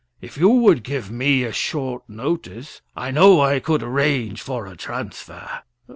If you would give me a short notice, I know I could arrange for a transfer."